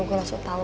gue langsung tau